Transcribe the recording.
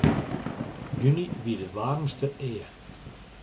Juny wie de waarmste ea.